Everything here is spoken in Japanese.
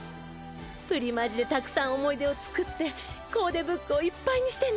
プリマジでたくさん思い出を作ってコーデブックをいっぱいにしてね！